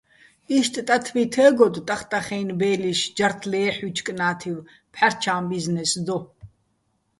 იშტ ტათბი თე́გოდო̆ ტახტახაჲნო̆ ბე́ლიშ ჯართ ლეჰ̦ჲუჲჩო̆ კნა́თივ, "ფჰ̦არჩა́ჼ ბიზნეს" დო.